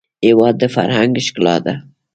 هېواد د فرهنګ ښکلا ده.